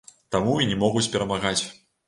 Таму і не могуць перамагаць.